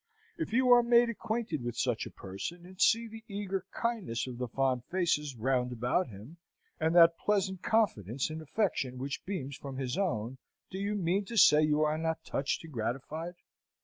If you are made acquainted with such a person, and see the eager kindness of the fond faces round about him, and that pleasant confidence and affection which beams from his own, do you mean to say you are not touched and gratified?